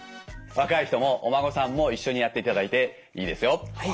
若い人もお孫さんも一緒にやっていただいていいですよ。